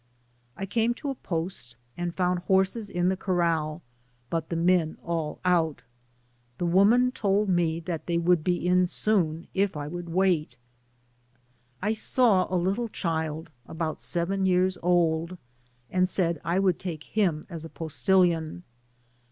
♦♦♦♦* I CAME to a post, and found horses ia the corrdi, but the men were all out. The woman told me they would be in soon, if I would wait. I saw a little child about seven years old, and said I would take him as a postilion.